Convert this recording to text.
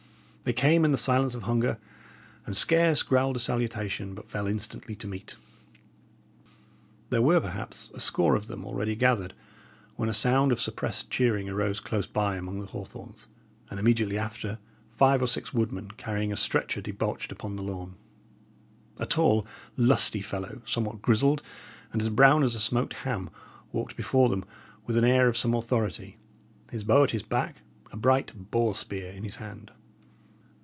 They came in the silence of hunger, and scarce growled a salutation, but fell instantly to meat. There were, perhaps, a score of them already gathered, when a sound of suppressed cheering arose close by among the hawthorns, and immediately after five or six woodmen carrying a stretcher debauched upon the lawn. A tall, lusty fellow, somewhat grizzled, and as brown as a smoked ham, walked before them with an air of some authority, his bow at his back, a bright boar spear in his hand.